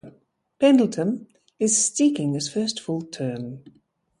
Pendleton is seeking his first full term.